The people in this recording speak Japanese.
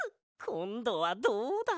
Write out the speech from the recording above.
こんどはどうだ？